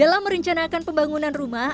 dalam merencanakan pembangunan rumah